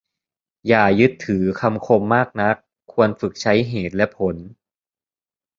อย่ายึดถือคำคมมากนัก ควรฝึกใช้เหตุและผล